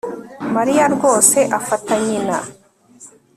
Mariya rwose afata nyina